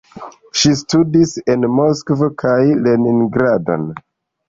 Ŝi studis en Moskvo kaj Leningrado.